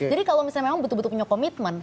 jadi kalau misalnya memang betul betul punya komitmen